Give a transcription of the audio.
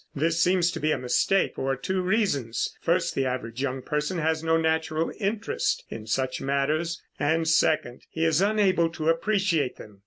This seems to be a mistake, for two reasons: first, the average young person has no natural interest in such matters; and second, he is unable to appreciate them.